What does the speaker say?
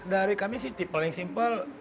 dari kami sih paling simpel